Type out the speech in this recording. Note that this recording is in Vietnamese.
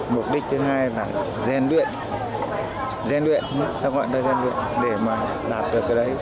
mục đích thứ hai là gian luyện để mà đạt được cái đấy